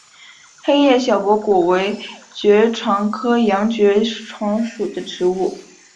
黑叶小驳骨为爵床科洋爵床属的植物。